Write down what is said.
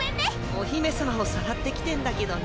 お姫様をさらってきてんだけどね。